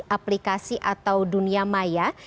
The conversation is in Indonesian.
aplikasi atau dunia maya